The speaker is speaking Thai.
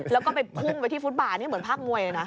แล้วก็ไปพุ่งไปที่ฟุตบาทนี่เหมือนภาคมวยเลยนะ